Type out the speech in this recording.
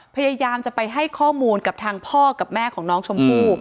พยายามจะไปให้ข้อมูลกับทางพ่อกับแม่ของน้องชมพู่